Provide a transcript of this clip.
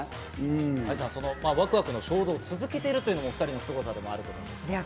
愛さん、ワクワクの衝動を続けてるっていうのがお２人のすごさだと思います。